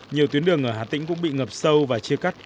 nhiều tuyến đường ở hà tĩnh cũng bị ngập sâu và chia cắt